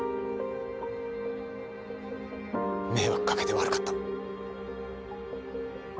迷惑かけて悪かった。